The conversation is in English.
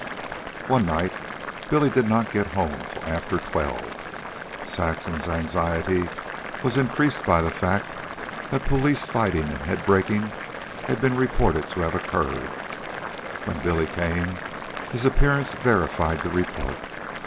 One night Billy did not get home till after twelve. Saxon's anxiety was increased by the fact that police fighting and head breaking had been reported to have occurred. When Billy came, his appearance verified the report.